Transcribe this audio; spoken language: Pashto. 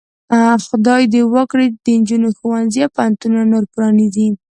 خدای ته وګورئ د نجونو ښوونځي او پوهنځي نور پرانیزئ.